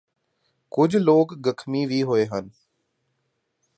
ਕੁਝ ਲੋਕ ਗਖਮੀ ਵੀ ਹੋਏ ਹਨ